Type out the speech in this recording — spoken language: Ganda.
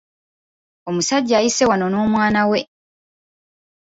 Omusajja ayise wano n'omwana we.